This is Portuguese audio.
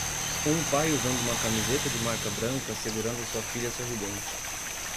Um pai usando uma camiseta de marca branca segurando sua filha sorridente.